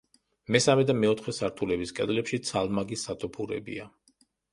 მესამე და მეოთხე სართულების კედლებში ცალმაგი სათოფურებია.